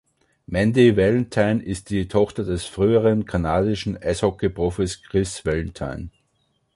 Mandy Valentine ist die Tochter des früheren kanadischen Eishockey-Profis Chris Valentine.